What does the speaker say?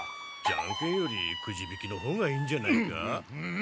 じゃんけんよりくじ引きのほうがいいんじゃないか？